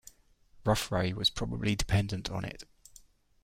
Rufrae was probably dependent on it.